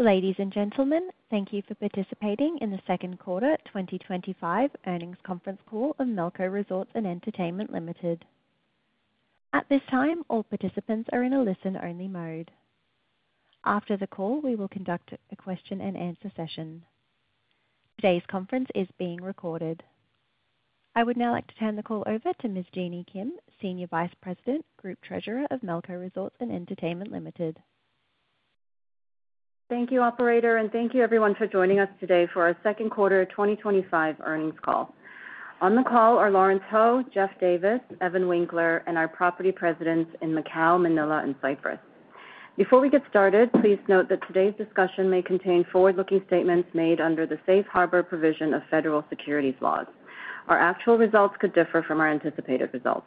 Ladies and gentlemen, thank you for participating in the Second Quarter 2025 Earnings Conference Call of Melco Resorts & Entertainment Limited. At this time, all participants are in a listen-only mode. After the call, we will conduct a question and answer session. Today's conference is being recorded. I would now like to turn the call over to Ms. Jeanny Kim, Senior Vice President, Group Treasurer of Melco Resorts & Entertainment Ltd. Thank you, operator, and thank you, everyone, for joining us today for our second quarter 2025 earnings call. On the call are Lawrence Ho, Geoff Davis, Evan Winkler, and our property presidents in Macau, Manila, and Cyprus. Before we get started, please note that today's discussion may contain forward-looking statements made under the safe harbor provision of federal securities laws. Our actual results could differ from our anticipated results.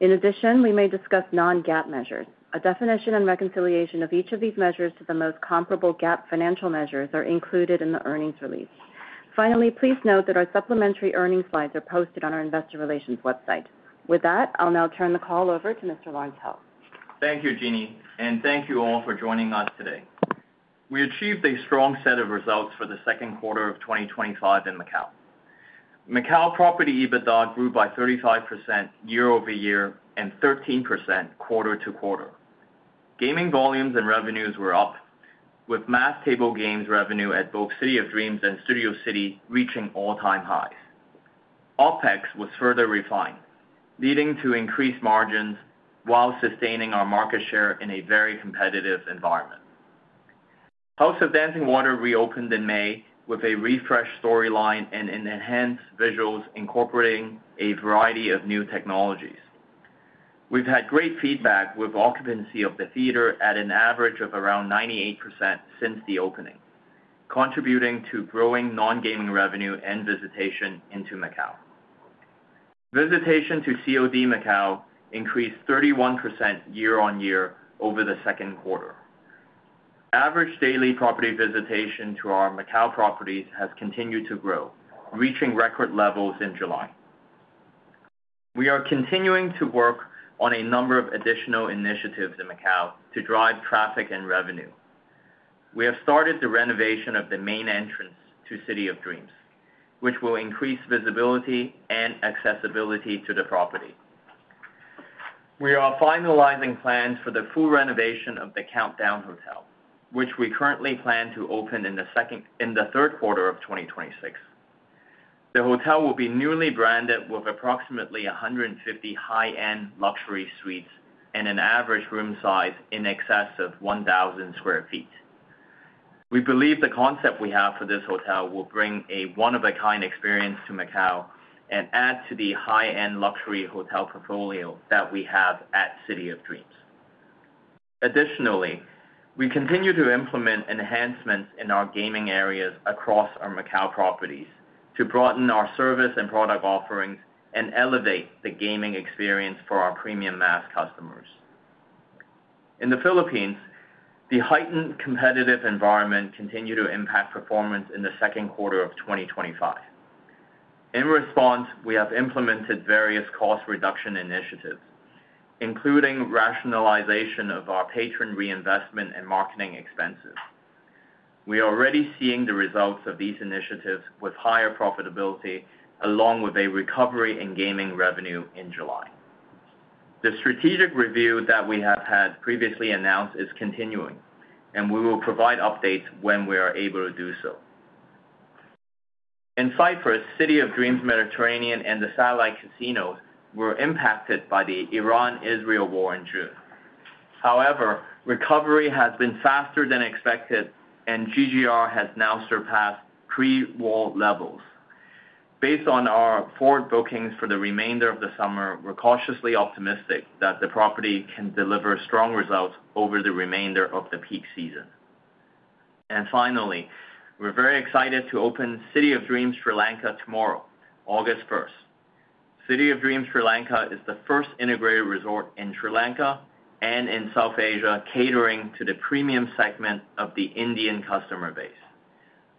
In addition, we may discuss non-GAAP measures. A definition and reconciliation of each of these measures to the most comparable GAAP financial measures are included in the earnings release. Finally, please note that our supplementary earnings slides are posted on our investor relations website. With that, I'll now turn the call over to Mr. Lawrence Ho. Thank you, Jeanny, and thank you all for joining us today. We achieved a strong set of results for the second quarter of 2025 in Macau. Macau property EBITDA grew by 35% year-over-year and 13% quarter-to-quarter. Gaming volumes and revenues were up, with mass table games revenue at both City of Dreams and Studio City reaching all-time highs. OPEX was further refined, leading to increased margins while sustaining our market share in a very competitive environment. House of Dancing Water reopened in May with a refreshed storyline and enhanced visuals incorporating a variety of new technologies. We've had great feedback, with occupancy of the theater at an average of around 98% since the opening, contributing to growing non-gaming revenue and visitation into Macau. Visitation to CoD Macau increased 31% year-on-year over the second quarter. Average daily property visitation to our Macau properties has continued to grow, reaching record levels in July. We are continuing to work on a number of additional initiatives in Macau to drive traffic and revenue. We have started the renovation of the main entrance to City of Dreams, which will increase visibility and accessibility to the property. We are finalizing plans for the full renovation of the Countdown Hotel, which we currently plan to open in the third quarter of 2026. The hotel will be newly branded with approximately 150 high-end luxury suites and an average room size in excess of 1,000 sq ft. We believe the concept we have for this hotel will bring a one-of-a-kind experience to Macau and add to the high-end luxury hotel portfolio that we have at City of Dreams. Additionally, we continue to implement enhancements in our gaming areas across our Macau properties to broaden our service and product offerings and elevate the gaming experience for our premium mass customers. In the Philippines, the heightened competitive environment continued to impact performance in the second quarter of 2025. In response, we have implemented various cost reduction initiatives, including rationalization of our player reinvestment and marketing expenses. We are already seeing the results of these initiatives with higher profitability along with a recovery in gaming revenue in July. The strategic review that we have previously announced is continuing, and we will provide updates when we are able to do so. In Cyprus, City of Dreams Mediterranean and the satellite casinos were impacted by the Iran-Israel war in June. However, recovery has been faster than expected, and GGR has now surpassed pre-war levels. Based on our forward bookings for the remainder of the summer, we're cautiously optimistic that the property can deliver strong results over the remainder of the peak season. Finally, we're very excited to open City of Dreams Sri Lanka tomorrow, August 1st. City of Dreams Sri Lanka is the first integrated resort in Sri Lanka and in South Asia, catering to the premium segment of the Indian customer base.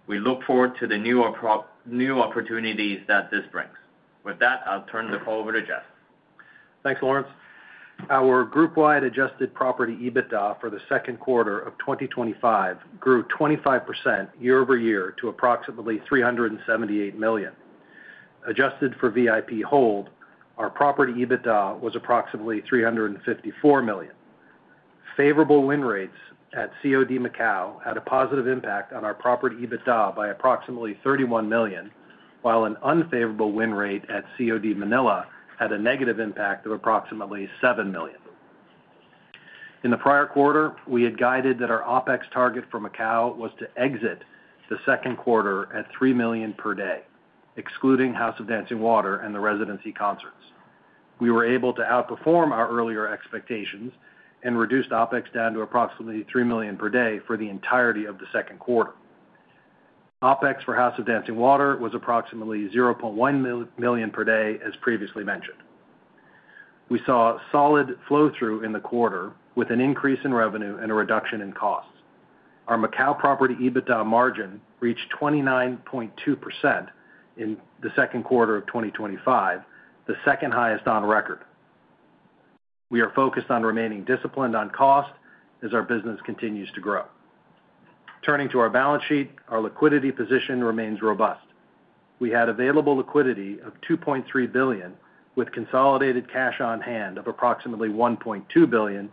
We look forward to the new opportunities that this brings. With that, I'll turn the call over to Geoff. Thanks, Lawrence. Our group-wide adjusted property EBITDA for the second quarter of 2025 grew 25% year over year to approximately $378 million. Adjusted for VIP hold, our property EBITDA was approximately $354 million. Favorable win rates at CoD Macau had a positive impact on our property EBITDA by approximately $31 million, while an unfavorable win rate at CoD Manila had a negative impact of approximately $7 million. In the prior quarter, we had guided that our OPEX target for Macau was to exit the second quarter at $3 million per day. Excluding House of Dancing Water and the residency concerts, we were able to outperform our earlier expectations and reduced OPEX down to approximately $3 million per day for the entirety of the second quarter. OPEX for House of Dancing Water was approximately $0.1 million per day. As previously mentioned, we saw solid flow through in the quarter with an increase in revenue and a reduction in costs. Our Macau property EBITDA margin reached 29.2% in the second quarter of 2025, the second highest on record. We are focused on remaining disciplined on cost as our business continues to grow. Turning to our balance sheet, our liquidity position remains robust. We had available liquidity of $2.3 billion with consolidated cash on hand of approximately $1.2 billion.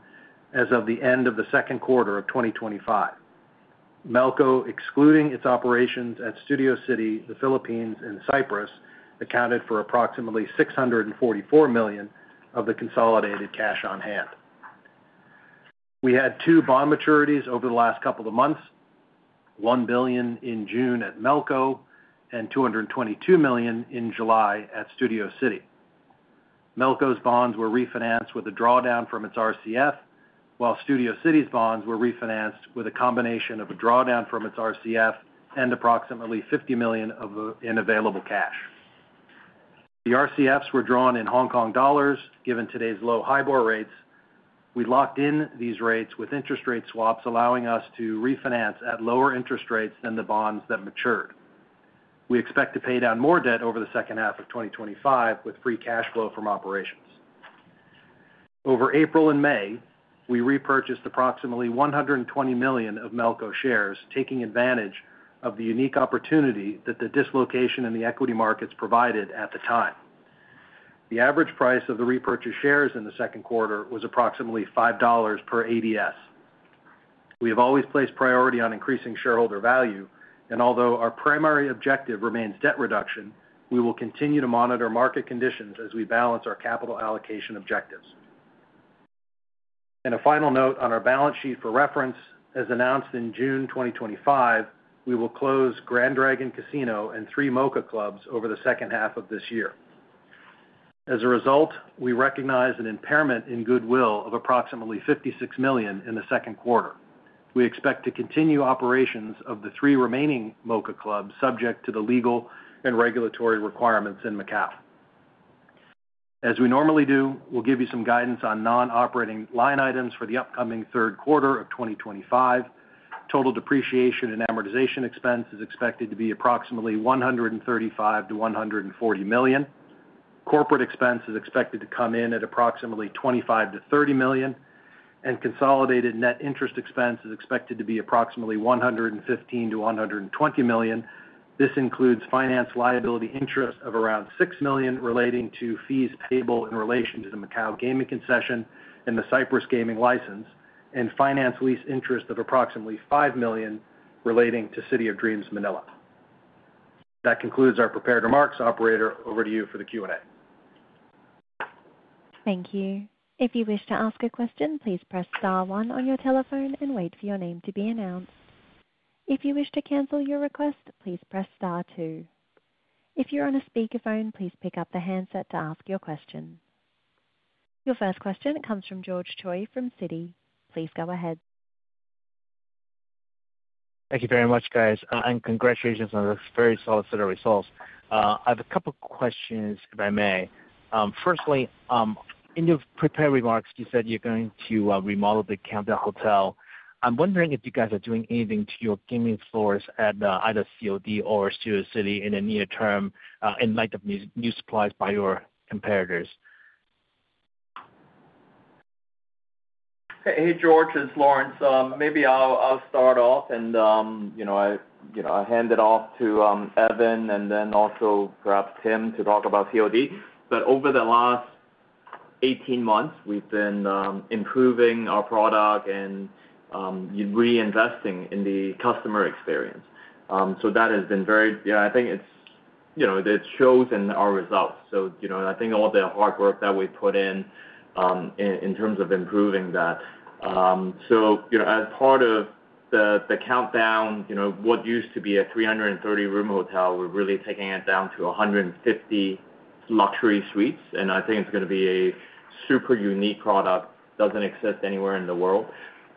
As of the end of the second quarter of 2025, Melco, excluding its operations at Studio City, the Philippines, and Cyprus, accounted for approximately $644 million of the consolidated cash on hand. We had two bond maturities over the last couple of months, $1 billion in June at Melco and $222 million in July at Studio City. Melco's bonds were refinanced with a drawdown from its RCF, while Studio City's bonds were refinanced with a combination of a drawdown from its RCF and approximately $50 million in available cash. The RCFs were drawn in Hong Kong dollars. Given today's low HIBOR rates, we locked in these rates with interest rate swaps, allowing us to refinance at lower interest rates than the bonds that matured. We expect to pay down more debt over the second half of 2025 with free cash flow from operations. Over April and May, we repurchased approximately $120 million of Melco shares, taking advantage of the unique opportunity that the dislocation in the equity markets provided at the time. The average price of the repurchased shares in the second quarter was approximately $5 per ADS. We have always placed priority on increasing shareholder value and although our primary objective remains debt reduction, we will continue to monitor market conditions as we balance our capital allocation objectives. A final note on our balance sheet for reference. As announced in June 2025, we will close Grand Dragon Casino and three Mocha Clubs over the second half of this year. As a result, we recognize an impairment in goodwill of approximately $56 million. In the second quarter, we expect to continue operations of the three remaining Mocha Clubs subject to the legal and regulatory requirements in Macau. As we normally do, we'll give you some guidance on non-operating line items for the upcoming third quarter of 2025. Total depreciation and amortization expense is expected to be approximately $135 to $140 million. Corporate expense is expected to come in at approximately $25 million to $30 million, and consolidated net interest expense is expected to be approximately $115 million to $120 million. This includes finance liability interest of around $6 million relating to fees payable in relation to the Macau Gaming Concession and the Cyprus Gaming License, and finance lease interest of approximately $5 million relating to City of Dreams, Manila. That concludes our prepared remarks. Operator, over to you for the Q&A. Thank you. If you wish to ask a question, please press Star one on your telephone and wait for your name to be announced. If you wish to cancel your request, please press Star two. If you're on a speakerphone, please pick up the handset to ask your question. Your first question comes from George Choi from Citi. Please go ahead. Thank you very much, guys, and congratulations on this very solid set of results. I have a couple questions if I may. Firstly, in your prepared remarks you said you're going to remodel the Countdown Hotel. I'm wondering if you guys are doing anything to your gaming stores at either City of Dreams or Studio City in the near term in light of new supplies by your competitors. Hey George, it's Lawrence. Maybe I'll start off and hand it off to Evan and then also perhaps Tim to talk about CoD. Over the last 18 months we've been improving our product and reinvesting in the customer experience. That has been very, I think it shows in our results. I think all the hard work that we put in in terms of improving that. As part of the Countdown Hotel, what used to be a 330 room hotel, we're really taking it down to 150 luxury suites. I think it's going to be a super unique product, doesn't exist anywhere in the world.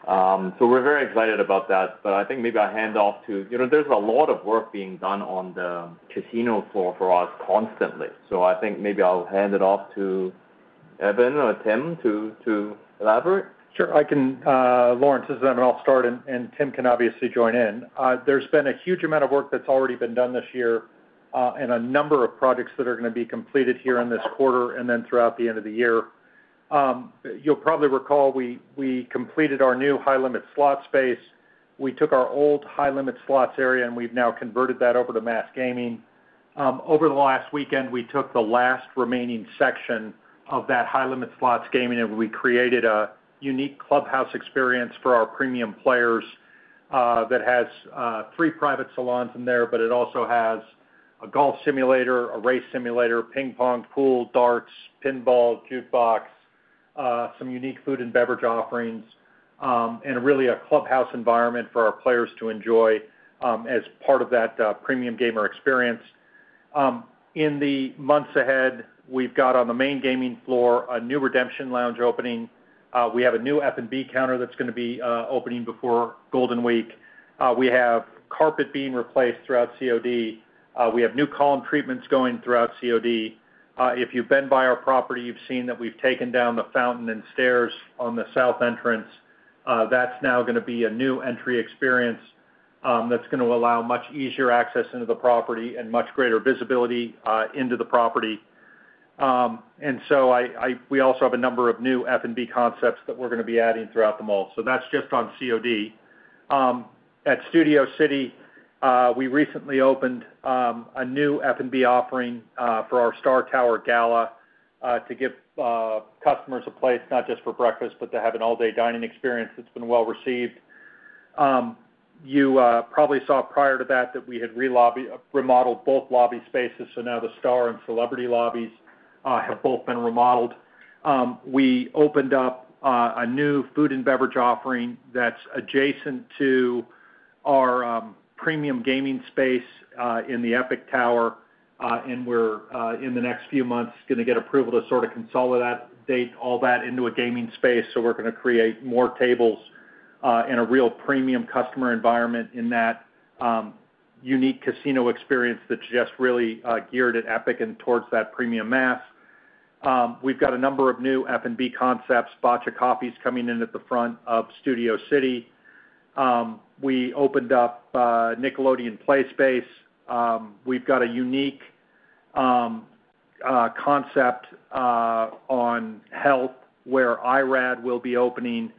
We're very excited about that. I think maybe I'll hand off. There's a lot of work being done on the casino floor for us constantly. I think maybe I'll hand it off to Evan or Tim to elaborate. Sure. Lawrence, this is Evan. I'll start and Tim can obviously join in. There's been a huge amount of work that's already been done this year and a number of projects that are going to be completed here in this quarter. Throughout the end of the year, you'll probably recall we completed our new high limit slot space. We took our old high limit slots area and we've now converted that over to mass gaming. Over the last weekend, we took the last remaining section of that high limit slots gaming and we created a unique clubhouse experience for our premium players that has three private salons in there, but it also has a golf simulator, a race simulator, ping pong, pool, darts, pinball, jukebox, some unique food and beverage offerings, and really a clubhouse environment for our players to enjoy as part of that premium gamer experience in the months ahead. We've got on the main gaming floor a new redemption lounge opening. We have a new F&B counter that's going to be opening before Golden Week. We have carpet being replaced throughout CoD. We have new column treatments going throughout CoD. If you've been by our property, you've seen that we've taken down the fountain and stairs on the south entrance. That's now going to be a new entry experience that's going to allow much easier access into the property and much greater visibility into the property. We also have a number of new F&B concepts that we're going to be adding throughout the mall. That's just on CoD. At Studio City, we recently opened a new F&B offering for our Star Tower gala to give customers a place not just for breakfast, but to have an all-day dining experience that's been well received. You probably saw prior to that that we had remodeled both lobby spaces. Now the Star and Celebrity lobbies have both been remodeled. We opened up a new food and beverage offering that's adjacent to our premium gaming space in the Epic Tower. We're in the next few months going to get approval to sort of consolidate all that into a gaming space. We're going to create more tables in a real premium customer environment in that unique casino experience that's just really geared at Epic and towards that premium mass. We've got a number of new F&B concepts. Bacha Coffee is coming in at the front of Studio City. We opened up Nickelodeon play space. We've got a unique concept on health where Irad will be opening,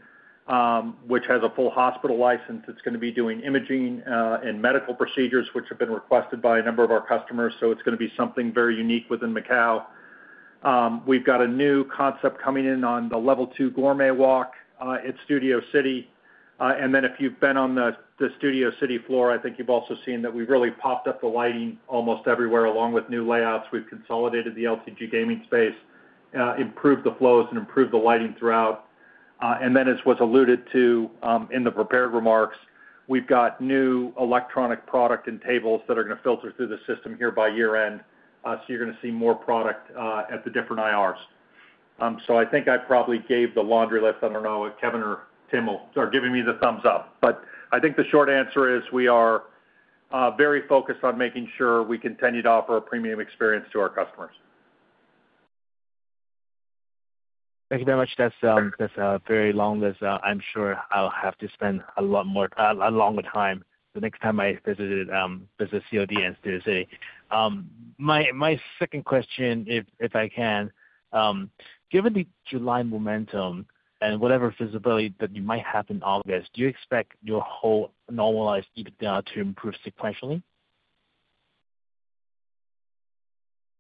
which has a full hospital license. It's going to be doing imaging and medical procedures which have been requested by a number of our customers. It's going to be something very unique within Macau. We've got a new concept coming in on the Level 2 Gourmet Walk at Studio City. If you've been on the Studio City floor, I think you've also seen that we've really popped up the lighting almost everywhere, along with new layouts. We've consolidated the LTG gaming space, improved the flows, and improved the lighting throughout. As was alluded to in the prepared remarks, we've got new electronic product and tables that are going to filter through the system here by year end. You're going to see more product at the different IRs. I think I probably gave the laundry list. I don't know if Kevin or Tim will start giving me the thumbs up. I think the short answer is we are very focused on making sure we continue to offer a premium experience to our customers. Thank you very much. That's a very long list. I'm sure I'll have to spend a lot more, a longer time the next time I visit CoD and Studio City. My second question, if I can, given the July momentum and whatever feasibility that you might have in August, do you expect your whole normalized EBITDA to improve sequentially?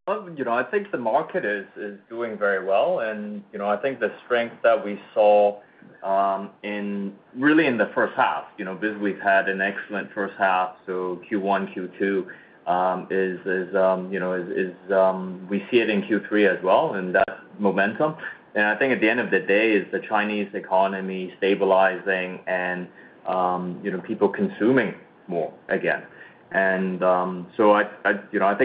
I think the market is doing very well, and I think the strength that we saw in the first half, you know, Bizweet had an excellent first half. Q1, Q2 is, you know, we see it in Q3 as well. That momentum, and I think at the end of the day, is the Chinese economy stabilizing and, you know, people consuming more again. I think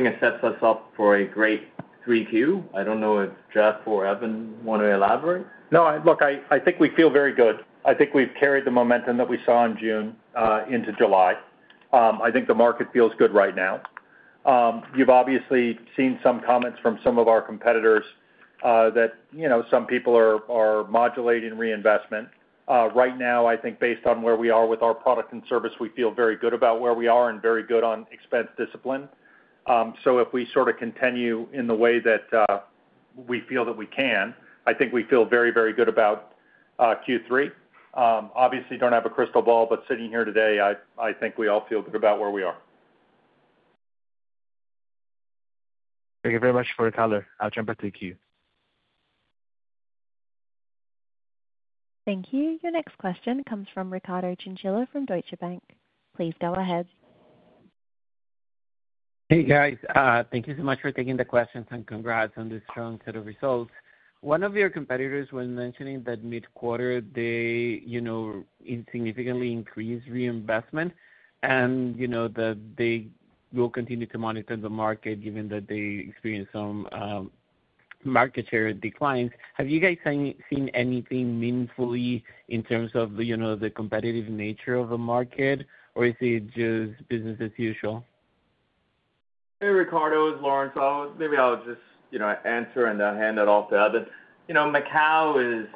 it sets us up for a great 3Q. I don't know if China, Geoff, or Evan want to elaborate? No, look, I think we feel very good. I think we've carried the momentum that we saw in June into July. I think the market feels good right now. You've obviously seen some comments from some of our competitors that some people are modulating reinvestment right now. I think based on where we are with our product and service, we feel very good about where we are and very good on expense discipline. If we sort of continue in the way that we feel that we can, I think we feel very, very good about Q3. Obviously don't have a crystal ball, but sitting here today, I think we all feel good about where we are. Thank you very much for the color. I'll jump back to the queue. Thank you. Your next question comes from Ricardo Chinchilla from Deutsche Bank. Please go ahead. Hey guys, thank you so much for taking the questions and congrats on this strong set of results. One of your competitors, when mentioning that mid quarter they significantly increased reinvestment and they will continue to monitor the market given that they experienced some market share declines. Have you guys seen anything meaningfully in terms of the competitive nature of the market, or is it just business as usual? Hey Recardo. It's Lawrence Ho, maybe I'll just answer and hand it off to Evan. Macau is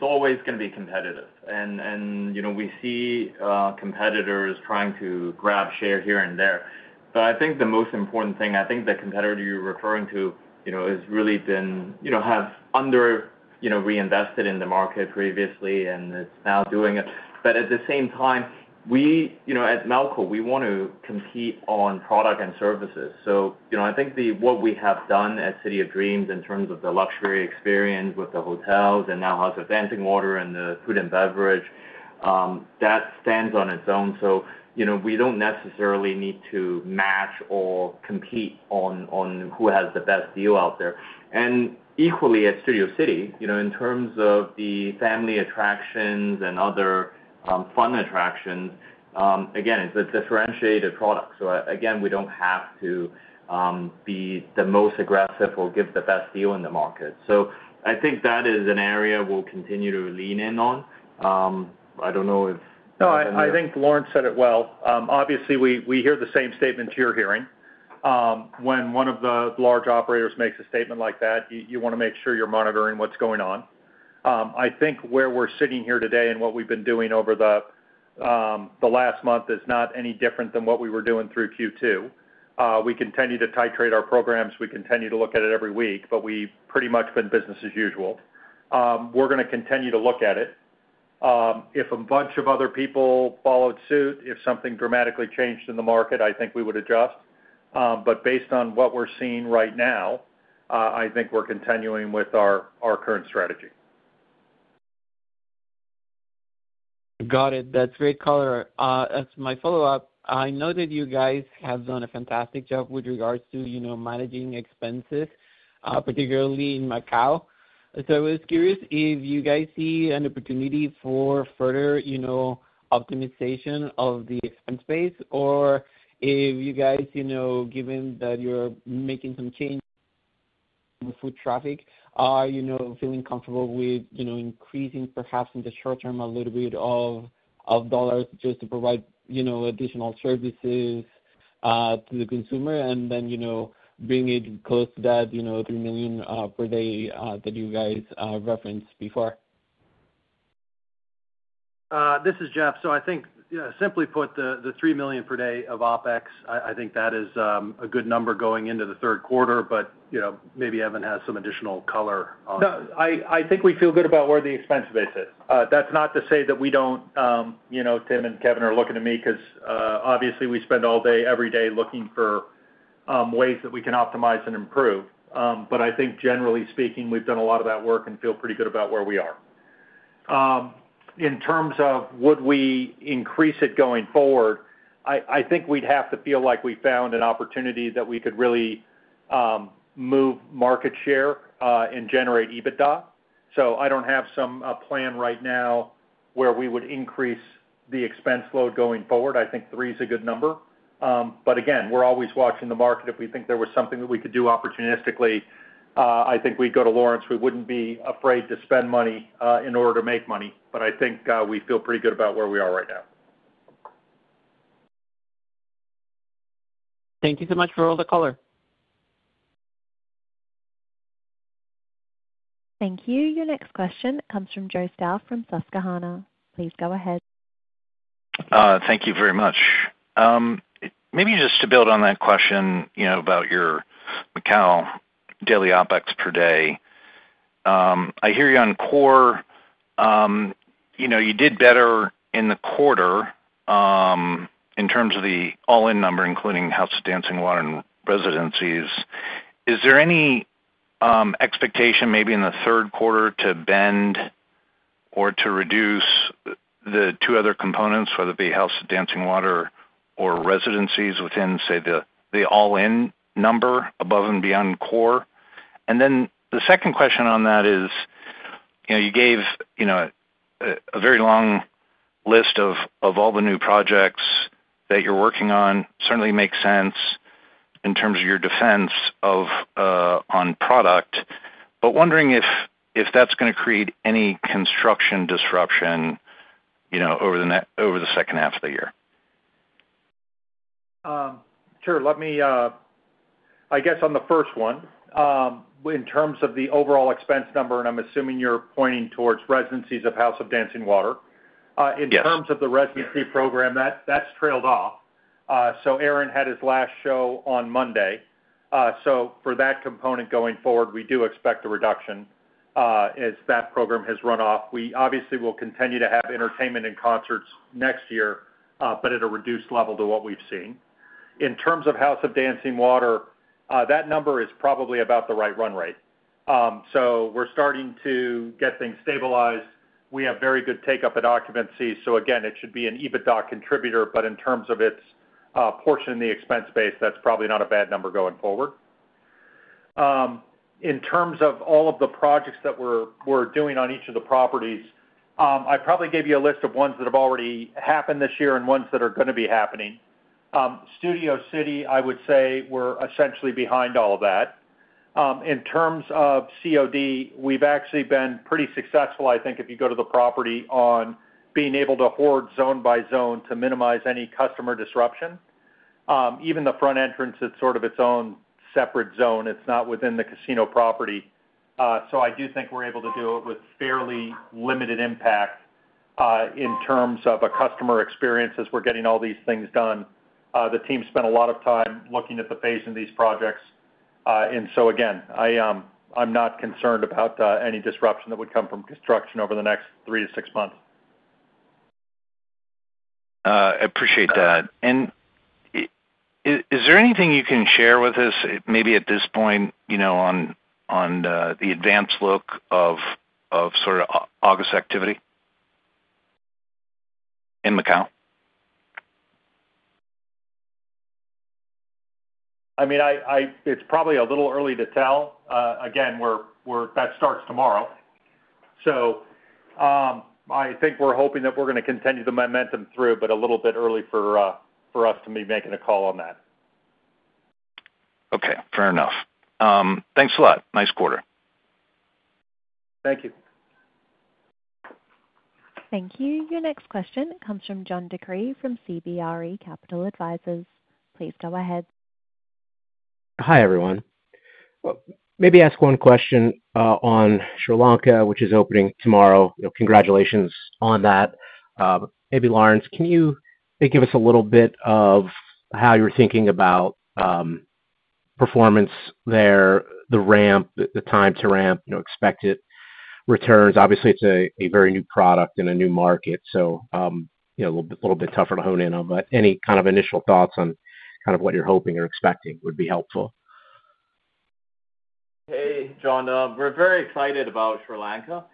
always going to be competitive, and we see competitors trying to grab share here and there. I think the most important thing, I think the competitor you're referring to has really under reinvested in the market previously, and it's now doing it. At the same time, at Melco, we want to compete on product and services. I think what we have done at City of Dreams in terms of the luxury experience with the hotels and now has advancing order and the food and beverage that stands on its own. We don't necessarily need to match or compete on who has the best deal out there. Equally, at Studio City, in terms of the family attractions and other fun attractions, again, it's a differentiated product. We don't have to be the most aggressive or give the best deal in the market. I think that is an area we'll continue to lean in on. I don't know if. No, I think Lawrence said it well. Obviously, we hear the same statement you're hearing. When one of the large operators makes a statement like that, you want to make sure you're monitoring what's going on. I think where we're sitting here today and what we've been doing over the last month is not any different than what we were doing through Q2. We continue to titrate our programs, we continue to look at it every week, but we've pretty much been business as usual. We're going to continue to look at it. If a bunch of other people followed suit, if something dramatically changed in the market, I think we would adjust. Based on what we're seeing right now, I think we're continuing with our current strategy. Got it. That's great. As my follow up, I know that you guys have done a fantastic job with regards to managing expenses, particularly in Macau. I was curious if you guys see an opportunity for further optimization of the expense base or if you guys, given that you're making some change to foot traffic, are you feeling comfortable with increasing perhaps in the short term, a little bit of dollars just to provide additional services to the consumer and then bring it close to that $3 million per day that you guys reference before? This is Jeff. I think, simply put, the $3 million per day of OpEx is a good number going into the third quarter. Maybe Evan has some additional color. I think we feel good about where the expense base is. That's not to say that we don't. Tim and Kevin are looking at me because obviously we spend all day, every day looking for ways that we can optimize and improve. I think generally speaking, we've done a lot of that work and feel pretty good about where we are in terms of would we increase it going forward? I think we'd have to feel like we found an opportunity that we could really move market share and generate EBITDA. I don't have some plan right now where we would increase the expense load going forward. I think three is a good number, but again, we're always watching the market. If we think there was something that we could do opportunistically, I think we'd go to Lawrence. We wouldn't be afraid to spend money in order to make money. I think we feel pretty good about where we are right now. Thank you so much for all the color. Thank you. Your next question comes from Joe Stauff from Susquehanna. Please go ahead. Thank you very much. Maybe just to build on that question about your Macau daily OPEX per day. I hear you on core, you know, you did better in the quarter in terms of the all-in number, including. House of Dancing Water and residencies. Is there any expectation maybe in the third quarter to bend or to reduce the two other components, whether it be House of Dancing Water or residencies within, say, the all-in number above and beyond core. The second question on that. You gave a very long list of all the new projects that you're working on. Certainly makes sense in terms of your defense on product, but wondering if that's going to create any construction disruption over the second half of the year. Sure. Let me, I guess on the first one in terms of the overall expense number, I'm assuming you're pointing towards residencies of House of Dancing Water. In terms of the residency program, that's trailed off. Aaron had his last show on Monday. For that component going forward, we do expect a reduction as that program has run off. We obviously will continue to have entertainment and concerts next year, but at a reduced level to what we've seen in terms of House of Dancing Water. That number is probably about the right run rate. We're starting to get things stabilized. We have very good take up at occupancy. It should be an EBITDA contributor. In terms of its portion in the expense base, that's probably not a bad number going forward. In terms of all of the projects that we're doing on each of the properties, I probably gave you a list of ones that have already happened this year and ones that are going to be happening. Studio City, I would say we're essentially behind all of that in terms of COD. We've actually been pretty successful. I think if you go to the property, on being able to hoard zone by zone to minimize any customer disruption, even the front entrance, it's sort of its own separate zone. It's not within the casino property. I do think we're able to do it with fairly limited impact in terms of a customer experience as we're getting all these things done. The team spent a lot of time looking at the phase in these projects. I'm not concerned about any disruption that would come from just over the next three to six months. I appreciate that. Is there anything you can share with us at this point on the advanced look of August activity in Macau? I mean, it's probably a little early to tell. That starts tomorrow. I think we're hoping that we're going to continue the momentum through, but it's a little bit early for us to be making a call on that. Okay, fair enough. Thanks a lot. Nice quarter. Thank you. Thank you. Your next question comes from John DeCree from CBRE Capital Advisors. Please go ahead. Hi everyone. Maybe ask one question on Sri Lanka, which is opening tomorrow. Congratulations on that. Maybe Lawrence, can you give us a little bit of how you're thinking about performance there? The ramp, the time to ramp, you know, expected returns. Obviously it's a very new product in a new market, so a little bit tougher to hone in on. Any kind of initial thoughts on kind of what you're hoping or expecting would be helpful. Hey, John, we're very excited about Sri Lanka.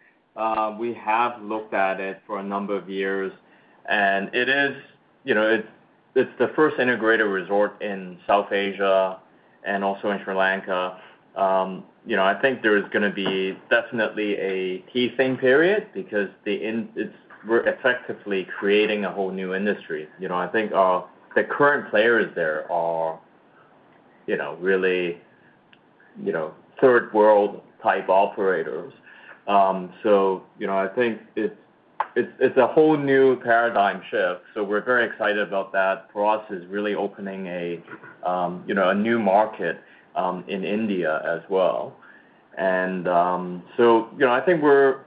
We have looked at it for a number of years and it is, you know, it's the first integrated resort in South Asia and also in Sri Lanka. I think there is going to be definitely a teething period because they're effectively creating a whole new industry. I think the current players there are really third world type operators. I think it's a whole new paradigm shift. We're very excited about that. For us, it's really opening a new market in India as well. I think we're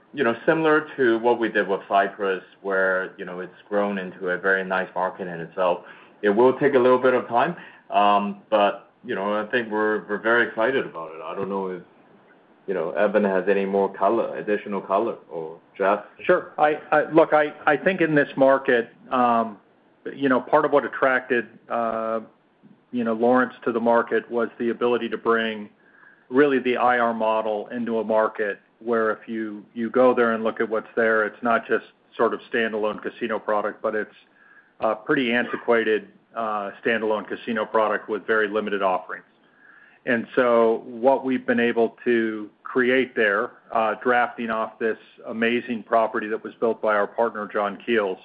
similar to what we did with Cyprus, where it's grown into a very nice market in itself. It will take a little bit of time, but I think we're very excited about it. I don't know if Evan has any more additional color or draft. Sure. Look, I think in this market, part of what attracted Lawrence to the market was the ability to bring really the IR model into a market where if you go there and look at what's there, it's not just sort of standalone casino product, but it's pretty antiquated standalone casino product with very limited offerings. What we've been able to create there, drafting off this amazing property that was built by our partner, John Keells,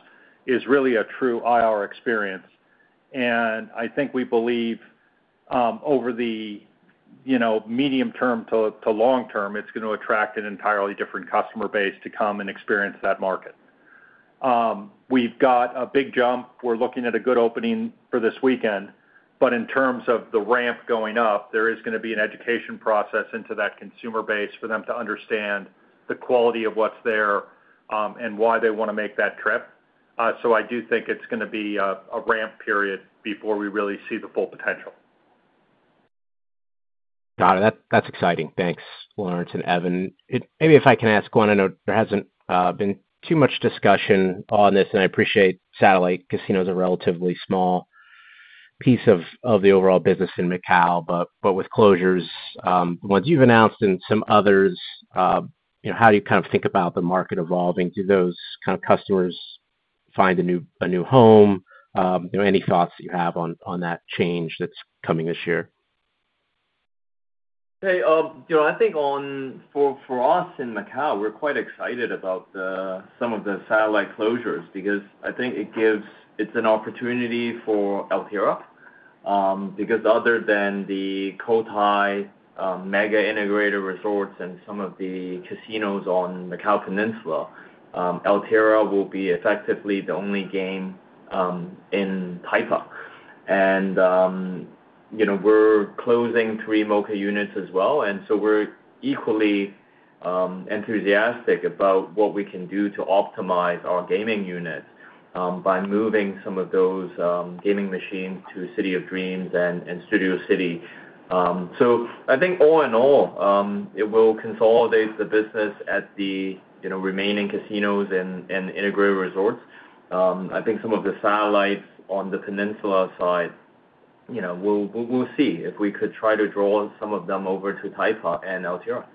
is really a true IR experience. I think we believe over the medium term to long term, it's going to attract an entirely different customer base to come and experience that market. We've got a big jump. We're looking at a good opening for this weekend. In terms of the ramp going up, there is going to be an education process into that consumer base for them to understand the quality of what's there and why they want to make that trip. I do think it's going to be a ramp period before we really see the full potential. Got it. That's exciting. Thanks, Lawrence and Evan, maybe if I can ask one, I know there hasn't been too much discussion on this, and I appreciate Satellite Casino is a relatively small piece of the overall business in Macau, but with closures once you've announced and some others, how do you kind of think about the market evolving? Do those customers find a new home? Any thoughts that you have on that change that's coming this year? I think for us in Macau, we're quite excited about some of the satellite closures because I think it's an opportunity for Altera because other than the Cotai mega integrated resorts and some of the casinos on Macau Peninsula, Altera will be effectively the only game in Taipa. You know, we're closing three Mocha units as well. We're equally enthusiastic about what we can do to optimize our gaming units by moving some of those gaming machines to City of Dreams and Studio City. I think all in all, it will consolidate the business at the remaining casinos and integrated resorts. I think some of the satellites on the Peninsula side, we'll see if we could try to draw some of them over to Taipa and LTR.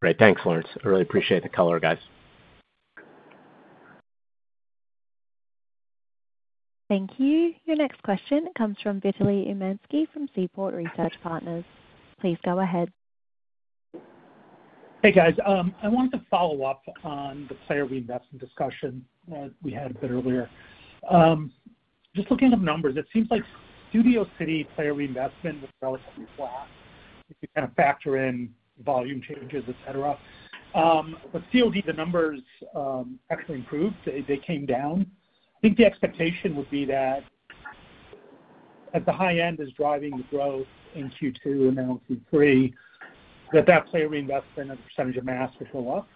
Great. Thanks, Lawrence. I really appreciate the color, guys. Thank you. Your next question comes from Vitaly Umansky from Seaport Research Partners. Please go ahead. Hey, guys, I wanted to follow up on the player reinvestment discussion we had a bit earlier. Just looking at the numbers, it seems like Studio City player reinvestment was relatively flat if you kind of factor in volume changes, etc. But CoD, the numbers actually improved. They came down. I think the expectation would be that at the high end is driving growth in Q2 and now Q3 that that player reinvestment as a percentage of mass would go up.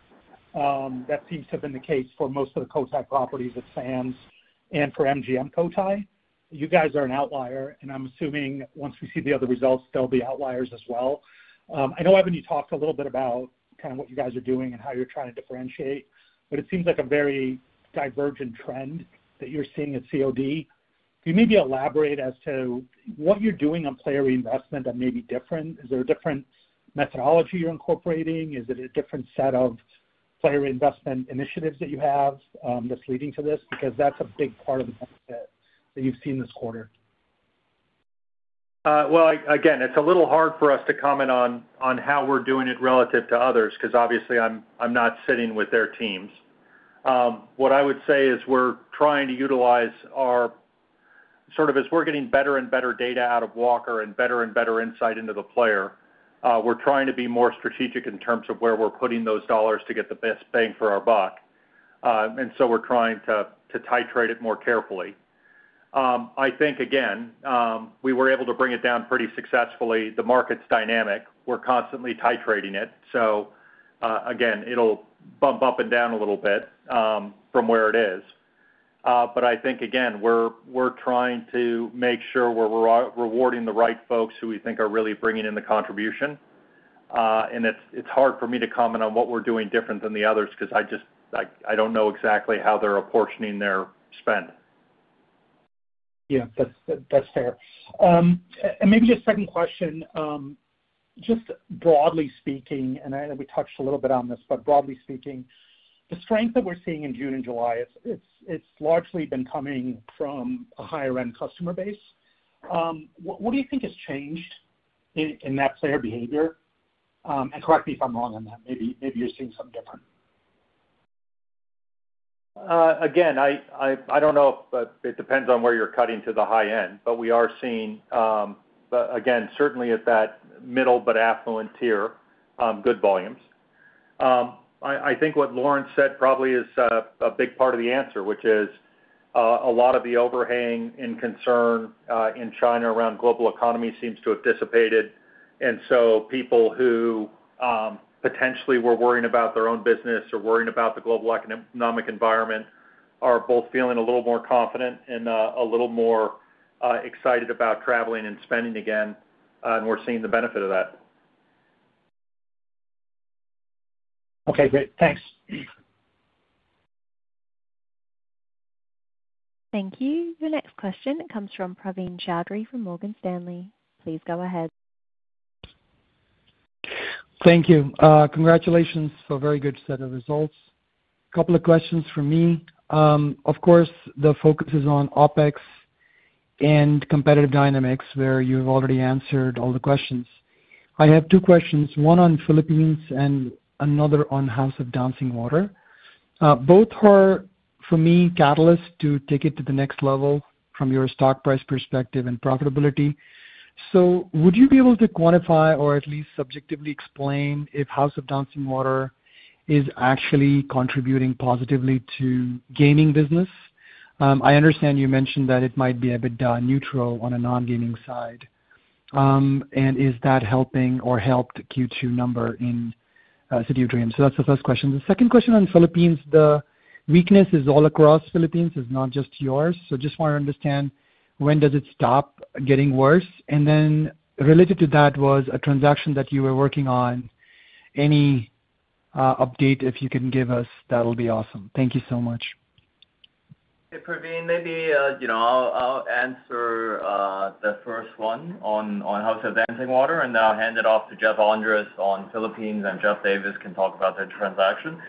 That seems to have been the case for most of the Cotai properties at Sands and for MGM Cotai. You guys are an outlier and I'm assuming once. We see the other results, there'll be outliers as well. I know, Evan, you talked a little bit about kind of what you guys are doing and how you're trying to differentiate, but it seems like a very divergent trend that you're seeing at CoD. Can you maybe elaborate as to what you're doing on player reinvestment that may be different? Is there a different methodology you're incorporating? Is it a different set of player reinvestment initiatives that you have that's leading to this? Because that's a big part of the benefit that you've seen this quarter. It's a little hard for us to comment on how we're doing it relative to others because obviously I'm not sitting with their teams. What I would say is we're trying to utilize our sort of as we're getting better and better data out of Walker and better and better insight into the player, we're trying to be more strategic in terms of where we're putting those dollars to get the best bang for our buck. We're trying to titrate it more carefully. I think we were able to bring it down pretty successfully. The market's dynamic, we're constantly titrating it. It'll bump up and down a little bit from where it is. I think we're trying to make sure we're rewarding the right folks who we think are really bringing in the contribution. It's hard for me to comment on what we're doing different than the others because I just don't know exactly how they're apportioning their spend. Yeah, that's fair. Maybe a second question, just broadly speaking, we touched a little bit on this, but broadly speaking, the strength that we're seeing in June and July, it's largely been coming from a higher-end customer base. What do you think has changed in that player behavior? Correct me if I'm wrong on that, maybe you're seeing something different. I don't know. It depends on where you're cutting to the high-end. We are seeing, certainly at that middle but affluent tier, good volumes. I think what Lawrence said probably is a big part of the answer, which is a lot of the overhang and concern in China around the global economy seems to have dissipated. People who potentially were worrying about their own business or worrying about the global economic environment are both feeling a little more confident and a little more excited about traveling and spending again. We're seeing the benefit of that. Okay, great. Thanks. Thank you. The next question comes from Praveen Choudhary from Morgan Stanley. Please go ahead. Thank you. Congratulations for a very good set of results. A couple of questions from me. Of course the focus is on OPEX and competitive dynamics where you've already answered all the questions. I have two questions, one on Philippines and another on House of Dancing Water. Both are for me catalyst to take it to the next level from your stock price perspective and profitability. Would you be able to quantify or at least subjectively explain if House of Dancing Water is actually contributing positively to gaming business? I understand you mentioned that it might be EBITDA neutral on a non-gaming side and is that helping or helped Q2 number in City of Dreams? That's the first question. The second question on Philippines, the weakness is all across Philippines. It's not just yours. I just want to understand when does it stop getting worse and then related to that was a transaction that you were working on. Any update if you can give us that will be awesome. Thank you so much. Praveen. Maybe I'll answer the first one on House of Dancing Water, and then I'll hand it off to Geoff Andres on philosophical Philippines, and Geoff Davis can talk about their transaction.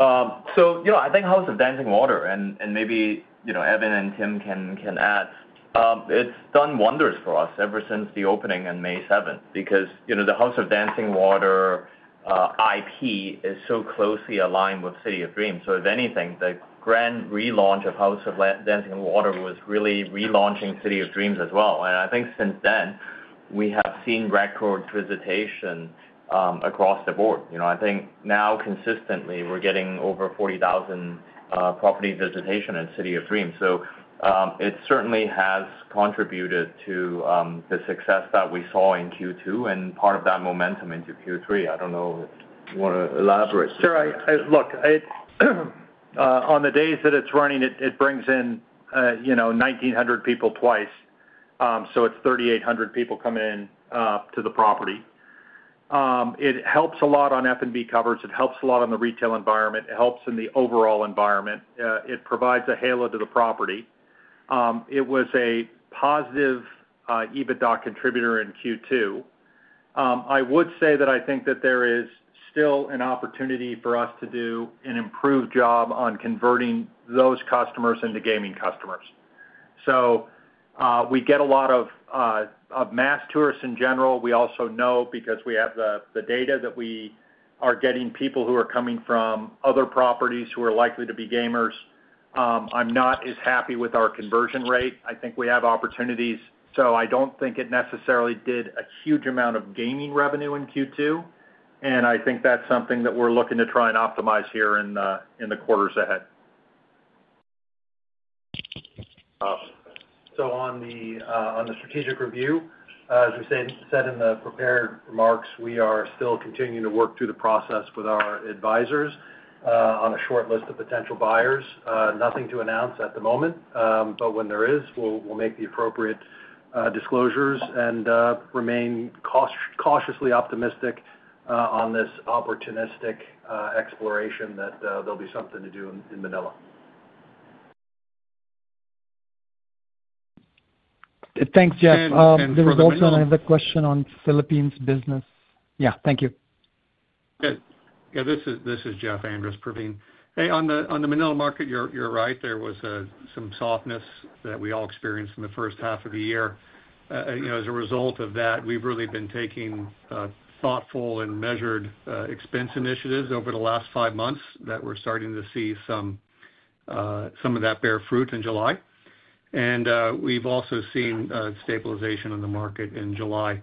I think House of Dancing Water and maybe, you know, Evan and Tim can add. It's done wonders for us ever since the opening on May 7th because, you know, the House of Dancing Water IP is so closely aligned with City of Dreams. If anything, the grand relaunch of House of Dancing Water was really relaunching City of Dreams as well. I think since then we have seen record visitation across the board. I think now consistently we're getting over 40,000 property visitation at City of Dreams. It certainly has contributed to the success that we saw in Q2 and part of that momentum into Q3. I don't know if you want to elaborate. Sure. Look, on the days that it's running, it brings in, you know, 1,900 people twice. So it's 3,800 people come in to the property. It helps a lot on F&B coverage, it helps a lot on the retail environment, it helps in the overall environment. It provides a halo to the property. It was a positive EBITDA contributor in Q2. I would say that I think that there is still an opportunity for us to do an improved job on converting those customers into gaming customers. We get a lot of mass tourists in general. We also know because we have the data that we are getting people who are coming from other properties who are likely to be gamers. I'm not as happy with our conversion rate. I think we have opportunities. I don't think it necessarily did a huge amount of gaming revenue in Q2. I think that's something that we're looking to try and optimize here in the quarters ahead. On the strategic review, as we said in the prepared remarks, we are still continuing to work through the process with our advisors on a short list of potential buyers. Nothing to announce at the moment, but when there is, we'll make the appropriate disclosures and remain cautiously optimistic on this opportunistic exploration that there'll be something to do in Manila. Thanks, Geoff. There was also another question on Philippines business. Yeah, thank you. This is Geoff Andres, Praveen. Hey. On the Manila market, you're right, there was some softness that we all experienced in the first half of the year. As a result of that, we've really been taking thoughtful and measured expense initiatives over the last five months that we're starting to see some of that bear fruit in July. We've also seen stabilization in the market in July.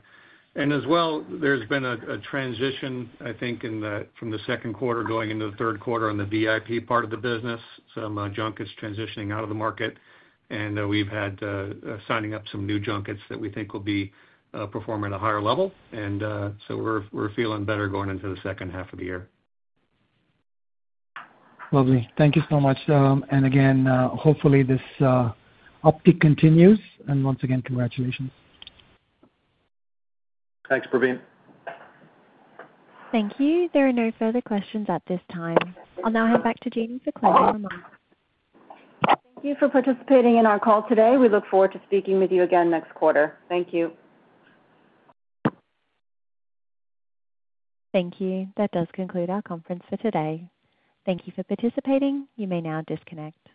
As well, there's been a transition. I think, from the second quarter going into the third quarter on the VIP part of the business, some junkets are transitioning out of the market, and we've had signing up some new junkets that we think will be performing at a higher level. We're feeling better going into the second half of the year. Lovely. Thank you so much. Hopefully this uptick continues, and once again, congratulations. Thanks, Praveen. Thank you. There are no further questions at this time. I'll now hand back to Jeanny for closing remarks. Thank you for participating in our call today. We look forward to speaking with you again next quarter. Thank you. Thank you. That does conclude our conference for today. Thank you for participating. You may now disconnect.